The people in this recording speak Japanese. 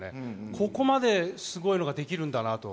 ここまですごいのができるんだなと。